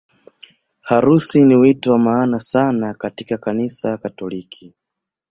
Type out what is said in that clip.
Harusi ni wito wa maana sana katika Kanisa Katoliki.